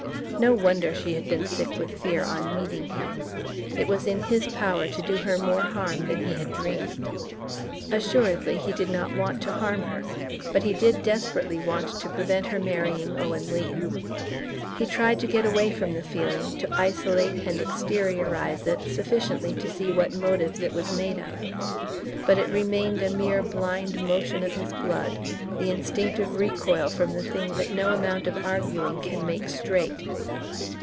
No wonder she had been sick with fear on meeting him! It was in his power to do her more harm than he had dreamed... Assuredly he did not want to harm her; but he did desperately want to prevent her marrying Owen Leath. He tried to get away from the feeling, to isolate and exteriorize it sufficiently to see what motives it was made of; but it remained a mere blind motion of his blood, the instinctive recoil from the thing that no amount of arguing can make "straight."